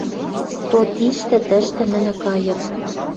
То тиштӹ, тӹштӹ нӹнӹ кайыт.